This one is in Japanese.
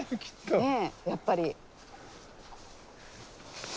ねえやっぱり。